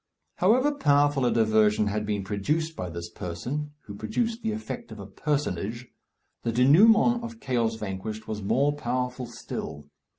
However powerful a diversion had been produced by this person, who produced the effect of a personage, the dénouement of "Chaos Vanquished" was more powerful still.